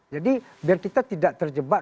jadi biar kita tidak terjebak